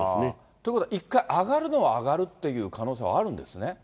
ということは、一回上がるのは上がるっていう可能性はあるんですね。